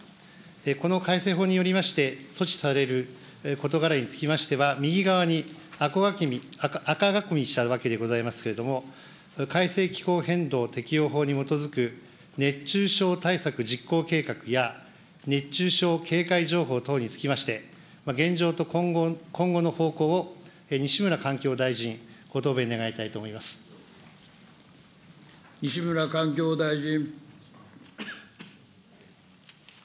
この改正法によりまして、措置される事柄につきましては、右側に、赤がこみしたわけでございますけれども、改正気候変動的、改正気候変動適応法に基づく熱中症対策実行計画や、熱中症警戒情報につきまして、現状と今後の方向を西村環境大臣、西村環境大臣。